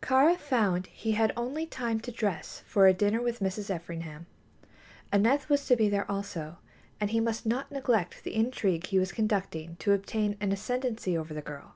Kāra found he had only time to dress for a dinner with Mrs. Everingham. Aneth was to be there also, and he must not neglect the intrigue he was conducting to obtain an ascendency over the girl.